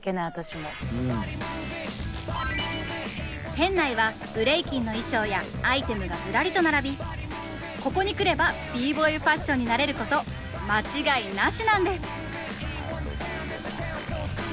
店内はブレイキンの衣装やアイテムがズラリと並びここに来ればＢ−Ｂｏｙファッションになれること間違いなしなんです！